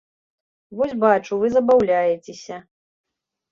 Вось бачу, вы забаўляецеся.